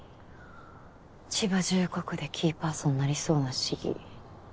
千葉１５区でキーパーソンになりそうな市議。